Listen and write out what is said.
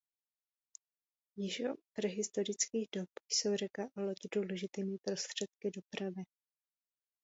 Již o prehistorických dob jsou řeka a loď důležitými prostředky dopravy.